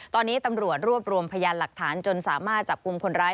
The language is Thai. ตอนนี้ตำรวจรวบรวมพยานหลักฐานจนสามารถจับกลุ่มคนร้าย